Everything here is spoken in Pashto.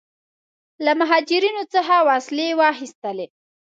له مهاجرینو څخه وسلې واخیستلې.